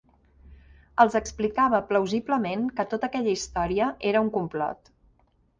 Els explicava plausiblement que tota aquella història era un complot